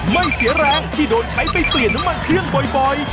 ไม่เสียแรงที่โดนใช้ไปเปลี่ยนน้ำมันเครื่องบ่อย